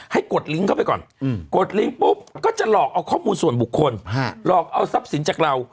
กดลิงก์เข้าไปก่อนกดลิงก์ปุ๊บก็จะหลอกเอาข้อมูลส่วนบุคคลหลอกเอาทรัพย์สินจากเรา